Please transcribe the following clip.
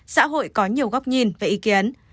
xã hội có nhiều góc nhìn và ý kiến